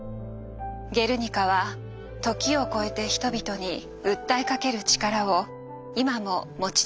「ゲルニカ」は時を超えて人々に訴えかける力を今も持ち続けています。